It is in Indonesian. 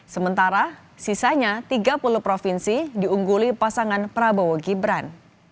sementara sisanya tiga puluh provinsi diungguli pasangan prabowo gibran